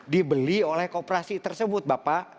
dibeli oleh kooperasi tersebut bapak